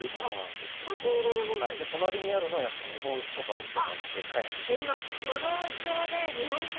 隣にあるのは日本酒とかをいただいて。